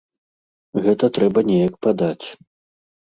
Гэта трэба неяк падаць.